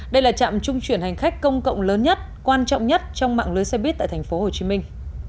đây là trạm trung chuyển hành khách công cộng lớn nhất quan trọng nhất trong mạng lưới xe buýt tại thành phố hồ chí minh